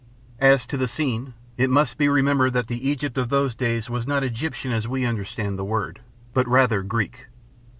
As to the scene, it must be remembered that the Egypt of those days was not Egyptian as we understand the word, but rather Greek.